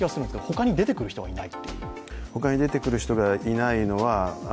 ほかに出てくる人はいない。